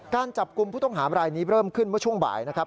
การจับกลุ่มผู้ต้องหาบรายนี้เริ่มขึ้นเมื่อช่วงบ่ายนะครับ